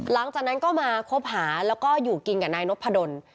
หลังจากนั้นก็มาคบหาแล้วก็อยู่กินกับนายนพดล